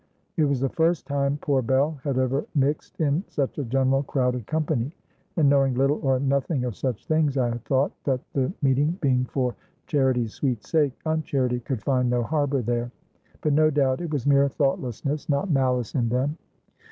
It was the first time poor Bell had ever mixed in such a general crowded company; and knowing little or nothing of such things, I had thought, that the meeting being for charity's sweet sake, uncharity could find no harbor there; but no doubt it was mere thoughtlessness, not malice in them.